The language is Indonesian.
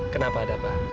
kenapa ada apa